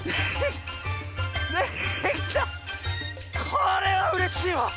これはうれしいわ！